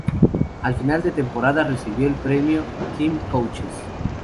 A final de temporada, recibió el premio "team Coaches".